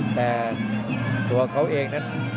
แต่ตั๋วเขาเอง